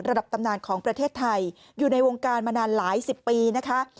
ตำนานของประเทศไทยอยู่ในวงการมานานหลายสิบปีนะคะ